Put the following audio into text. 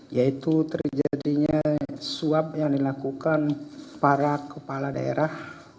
yaitu terjadinya suap yang dilakukan para kepala daerah